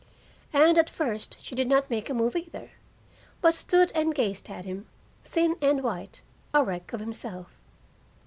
And, at first, she did not make a move either, but stood and gazed at him, thin and white, a wreck of himself.